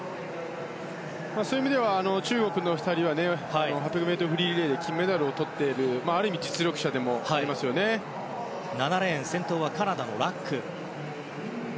そういう意味では中国の２人は８００ｍフリーリレーでメダルをとっている７レーン、先頭はカナダのラック。